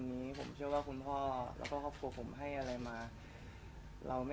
ไปลืมความสวยมั๊ย